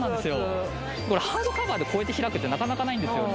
これハードカバーでこうやって開くってなかなかないんですよね